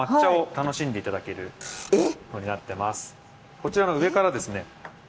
こちらの上からですね。